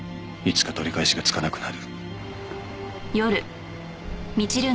いつか取り返しがつかなくなる。